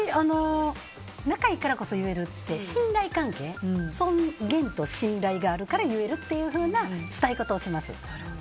仲いいからこそ言えるって信頼関係、尊厳と信頼があるから言えるっていうふうな伝え方をします。